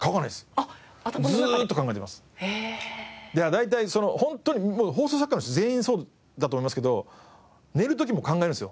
大体ホントに放送作家の人全員そうだと思いますけど寝る時も考えるんですよ。